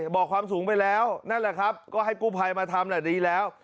บอกความสูงไปแล้วนั่นแหละครับก็ให้กู้ภัยมาทำแหละดีแล้ว